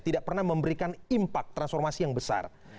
tidak pernah memberikan impact transformasi yang besar